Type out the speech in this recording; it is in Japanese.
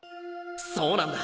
そうなんだ！